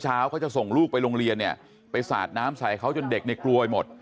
เขาจะส่งลูกไปโรงเรียนเนี่ยไปสาดน้ำใส่เขาจนเด็กเนี่ยกลัวหมด